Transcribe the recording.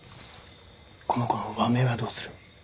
この子の和名はどうする？